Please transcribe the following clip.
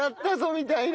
みたいな。